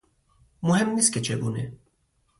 مهم نیست که چگونه